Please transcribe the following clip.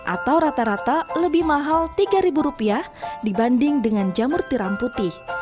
atau rata rata lebih mahal tiga ribu rupiah dibanding dengan jamur tiram putih